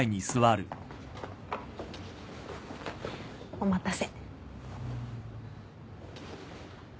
お待たせ。